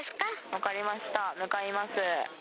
分かりました、向かいます。